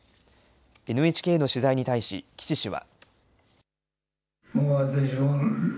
ＮＨＫの取材に対し、岸氏は。